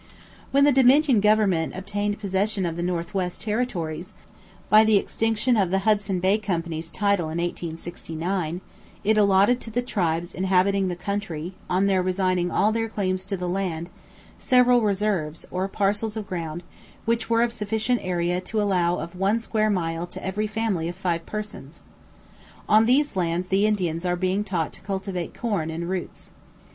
When the Dominion Government obtained possession of the North west Territories, by the extinction of the Hudson Bay Company's title in 1869, it allotted to the tribes inhabiting the country, on their resigning all their claims to the land, several reserves, or parcels of ground, which were of sufficient area to allow of one square mile to every family of five persons. On these lands the Indians are being taught to cultivate corn and roots.